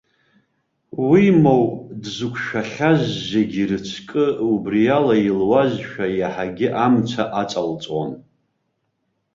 Уимоу, дзықәшәахьаз зегьы рыцкы убриала илуазшәа, иаҳагьы амца аҵалҵон.